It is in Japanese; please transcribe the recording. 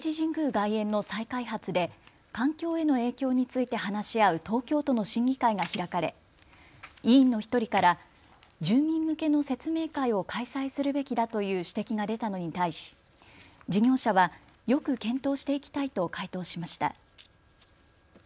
外苑の再開発で環境への影響について話し合う東京都の審議会が開かれ委員の１人から住民向けの説明会を開催するべきだという指摘が出たのに対し事業者はよく検討していきたいと回答しました。